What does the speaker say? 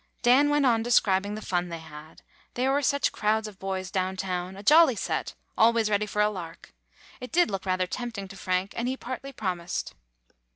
Dan went on describing the fun they had. There were such crowds of boys down town, a jolly set, always ready for a lark. It did look rather tempting to Frank, and he partly promised.